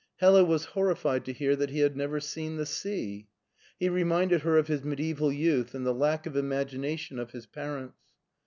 Hella was horrified to hear he had never seen the sea. He reminded her of his mediaeval youth and the lack of imagination of his parents.